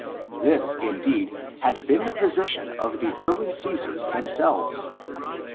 This, indeed, had been the position of the early Cesars themselves.